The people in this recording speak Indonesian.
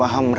aku paham ra